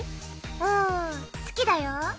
うん好きだよ」。